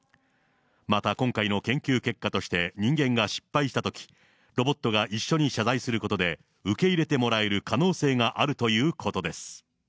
また今回の研究結果として、人間が失敗したとき、ロボットが一緒に謝罪することで、受け入れてもらえる可能性があるということです。